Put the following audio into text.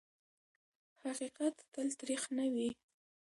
حقیقت تل تریخ نه وي.